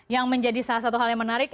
yang menjadi salah satu hal yang menarik